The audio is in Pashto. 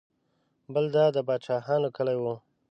بل دا د پاچاهانو کلی و.